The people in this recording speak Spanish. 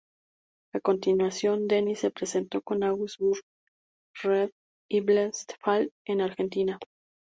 A continuación, Deny se presentó con August Burns Red y Blessthefall en Argentina.